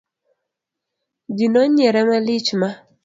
Ji nonyiera malich ma.